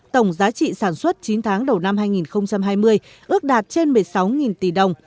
tổng giá trị sản xuất chín tháng đầu năm hai nghìn hai mươi ước đạt trên một mươi sáu tỷ đồng